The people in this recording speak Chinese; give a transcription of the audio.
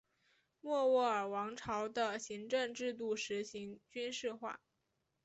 莫卧儿王朝的行政制度实行军事化。